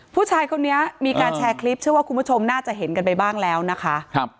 ผู้ชายคนนี้มีการแชร์คลิปเชื่อว่าคุณผู้ชมน่าจะเห็นกันไปบ้างแล้วนะคะ